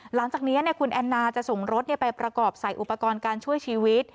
หลังจากนี้คุณแอนนาจะส่งรถไปประกอบใส่อุปกรณ์การช่วยชีวิต